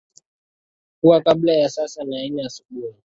kuwa kabla ya saa na nne asubuhi